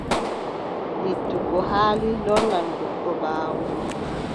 Yiddugo haali lornan goɗɗo ɓaawo.